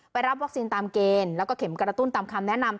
รับวัคซีนตามเกณฑ์แล้วก็เข็มกระตุ้นตามคำแนะนำ